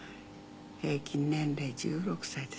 平均年齢１６歳です。